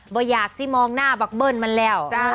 อยากสิมองหน้าบักเบิ้ลมันแล้ว